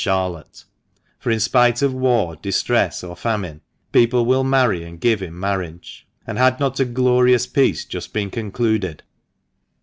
Charlotte ; for, in spite of war, distress, or famine, people will marry and give in marriage. And had not a glorious peace just been concluded